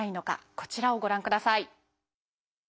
こちらをご覧ください。